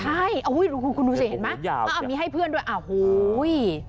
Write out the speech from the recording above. ใช่อ้าวุ้ยคุณดูสิเห็นมั้ยอ่ามีให้เพื่อนด้วยอ่าวโหย